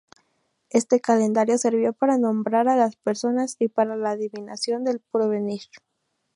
Este calendario servía para nombrar a las personas y para la adivinación del porvenir.